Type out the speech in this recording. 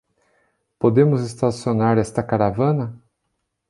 Podemos estacionar esta caravana?